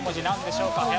なんでしょうか？